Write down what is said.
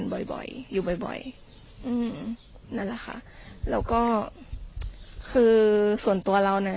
บ่อยบ่อยอยู่บ่อยบ่อยอืมนั่นแหละค่ะแล้วก็คือส่วนตัวเราเนี้ย